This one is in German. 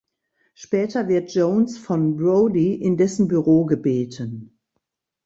Später wird Jones von Brody in dessen Büro gebeten.